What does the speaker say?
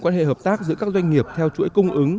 quan hệ hợp tác giữa các doanh nghiệp theo chuỗi cung ứng